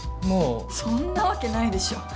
そんなわけないでしょ。